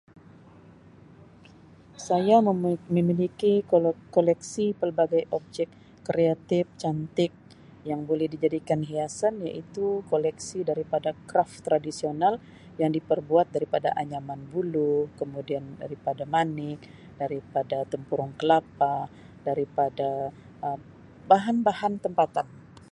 Saya memi-memiliki kolek-koleksi pelbagai objek kreatif, cantik yang boleh dijadikan hiasan iaitu koleksi daripada kraf tradisional yang diperbuat daripada anyaman buluh kemudian daripada mani, daripada tempurung kelapa, daripada bahan-bahan Um tempatan.